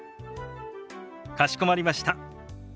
かしこまりました。